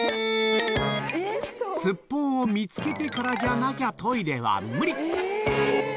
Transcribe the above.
すっぽんを見つけてからじゃなきゃトイレは無理。